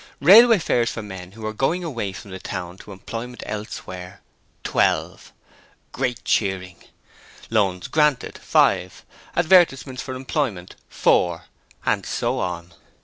Railway fares for men who were going away from the town to employment elsewhere, 12. (Great cheering.) Loans granted, 5. Advertisements for employment, 4 and so on.